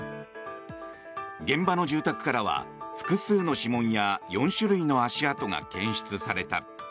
現場の住宅からは、複数の指紋や４種類の足跡が検出された。